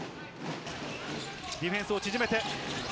ディフェンスを縮めて。